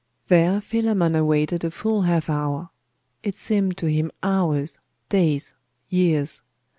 There Philammon awaited a full half hour. It seemed to him hours, days, years.